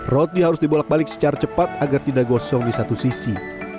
roti harus dibolak balik secara cepat agar tidak gosong di satu sisi